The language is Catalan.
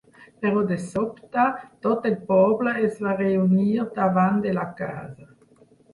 Però, de sobte, tot el poble es va reunir davant de la casa.